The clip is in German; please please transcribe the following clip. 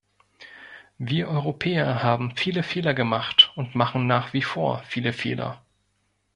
Wir Europäer haben viele Fehler gemacht und machen nach wie vor viele Fehler.